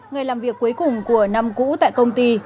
ngày làm việc cuối cùng của năm cũ tại công ty